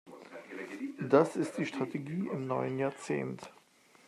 Das ist die Strategie im neuen Jahrzehnt.